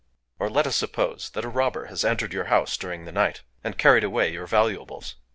Or, let us suppose that a robber has entered your house during the night, and carried away your valuables.